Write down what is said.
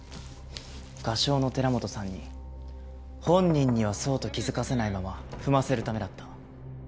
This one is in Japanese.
画商の寺本さんに本人にはそうと気づかせないまま踏ませるためだった。